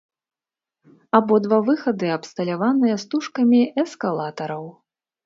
Абодва выхады абсталяваныя стужкамі эскалатараў.